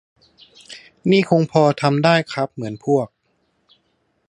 นี่คงพอทำได้ครับ เหมือนพวก